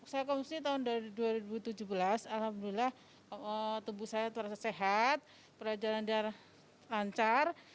saya konsumsi tahun dua ribu tujuh belas alhamdulillah tubuh saya terasa sehat perjalanan lancar